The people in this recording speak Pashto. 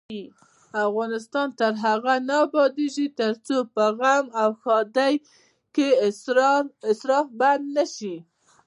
افغانستان تر هغو نه ابادیږي، ترڅو په غم او ښادۍ کې اسراف بند نشي.